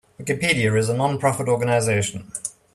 Wikipedia is a non-profit organization.